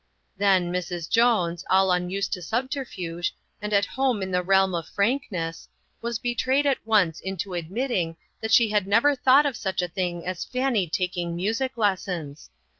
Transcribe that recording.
Then Mrs. Jones, all unused to subter fuge, and at home in the realm of frank ness, was betrayed at once into admitting that she had never thought of such a thing as Fanny taking music lessons.